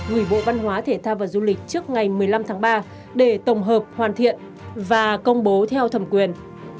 gửi bộ văn hóa thể thao và du lịch trước ngày một mươi năm tháng ba để tổng hợp hoàn thiện và công bố theo thẩm quyền